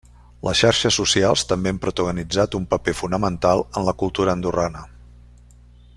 Les xarxes socials també han protagonitzat un paper fonamental en la cultura andorrana.